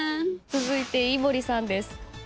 続いて井森さんです。